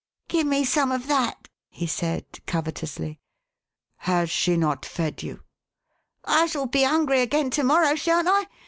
" Give me some of that !" he said, covetously. "Has she not fed you?" " I shall be hungry again to morrow, sha'n't I